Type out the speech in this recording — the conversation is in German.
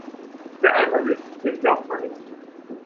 Wer einmal lügt, dem glaubt man nicht.